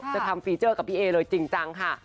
ทำฟีเจอร์กับพี่เอเลยจริงจังค่ะ